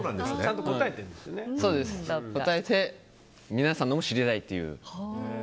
答えて皆さんのも知りたいという。